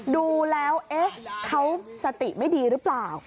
ดูแล้วเขาสติไม่ดีหรือเปล่า